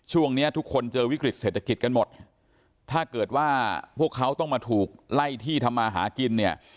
เนี้ยทุกคนเจอวิกฤตเศรษฐกิจกันหมดถ้าเกิดว่าพวกเขาต้องมาถูกไล่ที่ทำมาหากินเนี่ย